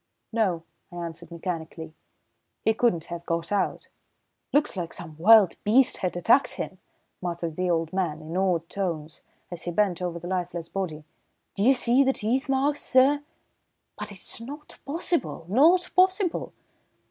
"No," I answered mechanically, "he couldn't have got out." "Looks like some wild beast had attacked him," muttered the old man, in awed tones, as he bent over the lifeless body. "D'ye see the teeth marks, sir? But it's not possible not possible."